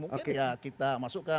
mungkin ya kita masukkan